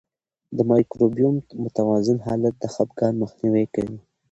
د مایکروبیوم متوازن حالت د خپګان مخنیوی کوي.